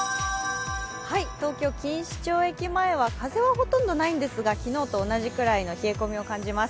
東京・錦糸町駅前は風はほとんどないんですが、昨日と同じくらいの冷え込みを感じます。